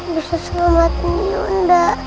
bisa selamatkan yunda